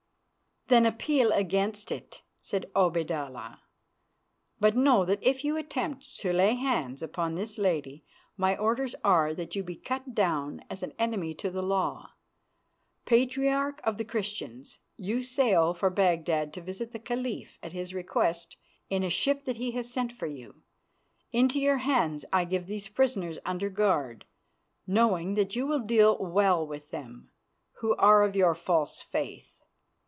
"Then appeal against it," said Obaidallah, "but know that if you attempt to lay hands upon this lady, my orders are that you be cut down as an enemy to the law. Patriarch of the Christians, you sail for Baghdad to visit the Caliph at his request in a ship that he has sent for you. Into your hands I give these prisoners under guard, knowing that you will deal well with them, who are of your false faith.